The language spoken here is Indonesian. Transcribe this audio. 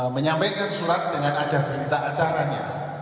menyampaikan surat dengan ada berita acaranya